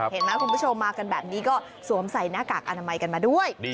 เห็นไหมคุณผู้ชมมากันแบบนี้ก็สวมใส่หน้ากากอนามัยกันมาด้วย